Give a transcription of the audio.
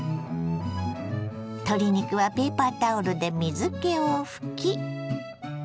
鶏肉はペーパータオルで水けを拭き。